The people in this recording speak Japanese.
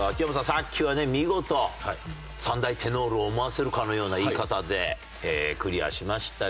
さっきはね見事３大テノールを思わせるかのような言い方でクリアしましたが。